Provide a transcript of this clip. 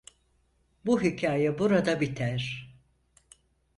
Bu hikaye burada biter!